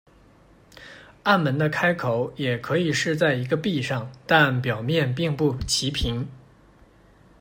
暗门的开口也可以是在一个壁上但表面并不齐平。